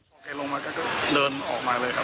ก็มึงไม่มายคิดอะไรแล้วครับ